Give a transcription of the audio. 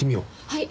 はい。